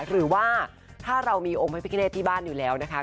หรือว่าถ้าเรามีองค์พระพิกเนตที่บ้านอยู่แล้วนะคะ